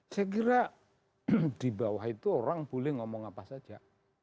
saya kira di bawah itu orang boleh ngomong apa saja